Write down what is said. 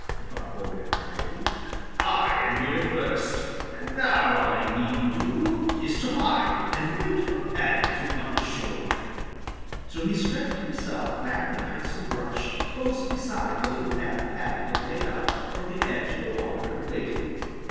thought Old Man Coyote. "I am here first, and now all I need do is to hide and wait for Paddy to come ashore." So he stretched himself flat behind some brush close beside the little path Paddy had made up from the edge of the water and waited.